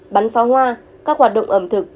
bắn pháo hoa các hoạt động ẩm thực